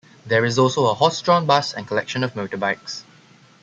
There is also a horse-drawn bus and collection of motorbikes.